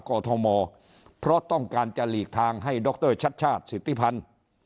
อทมเพราะต้องการจะหลีกทางให้ดรชัดชาติสิทธิพันธ์